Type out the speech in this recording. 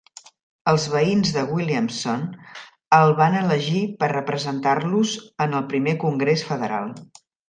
Els veïns de Williamson el van elegir per representar-los en el primer Congrés federal.